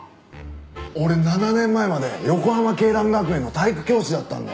俺７年前まで横浜恵蘭学園の体育教師だったんだよ。